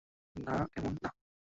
না, এমন না।